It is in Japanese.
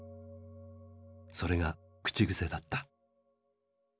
それが口癖だった。